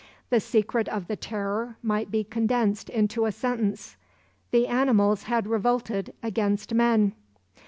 "The secret of the Terror might be condensed into a sentence: the animals had revolted against men.